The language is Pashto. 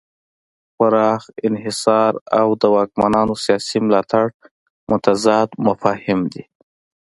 پراخ انحصار او د واکمنانو سیاسي ملاتړ متضاد مفاهیم دي.